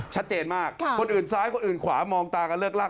ชัดเจนมากคนอื่นซ้ายคนอื่นขวามองตากันเลิกลาก